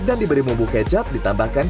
dan diberi bumbu kecap ditambahkan